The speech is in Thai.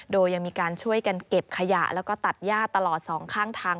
โดยยังมีการช่วยกันเก็บขยะแล้วก็ตัดย่าตลอดสองข้างทาง